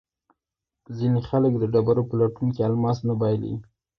ځینې خلک د ډبرو په لټون کې الماس بایلي.